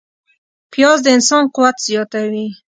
پیاز د انسان قوت زیاتوي